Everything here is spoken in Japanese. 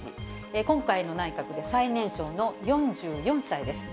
今回の内閣で最年少の４４歳です。